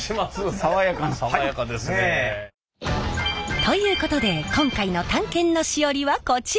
爽やかですね。ということで今回の探検のしおりはこちら。